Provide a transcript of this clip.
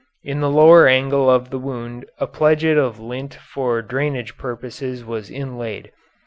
In the lower angle of the wound a pledget of lint for drainage purposes was inlaid.